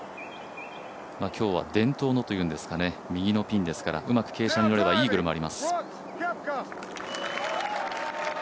今日は伝統のというんですかね、右のピンですからうまく傾斜にのればイーグルもあります。